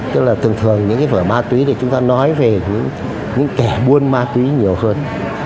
tức là thường thường những cái vở ma túy thì chúng ta nói về những kẻ buôn ma túy nhiều hơn